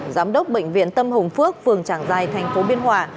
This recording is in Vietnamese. giám đốc bệnh viện tâm hồng phước phường trảng giai thành phố biên hòa